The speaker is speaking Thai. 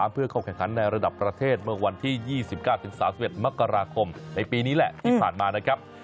เพื่อเข้าแข่งขันในระดับประเทศเมื่อวันที่๒๙๓๑มกราคมในปีนี้แหละที่ผ่านมานะครับ